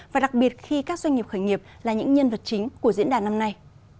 và đặc biệt khi các doanh nghiệp khởi nghiệp là những nhân vật chính của diễn đàn năm nay